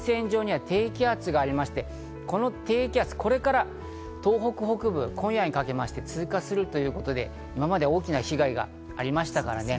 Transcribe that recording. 前線上には低気圧がありまして、この低気圧、これから東北北部、今夜にかけまして通過するということで、今まで大きな被害がありましたからね。